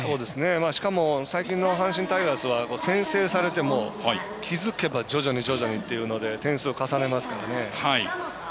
しかも、最近の阪神タイガースは先制されても、気付けば徐々に徐々にっていうので点数を重ねますからね。